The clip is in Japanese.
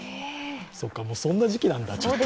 そっか、もうそんな時期なんだ。